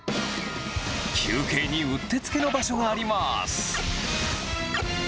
休憩にうってつけの場所があります。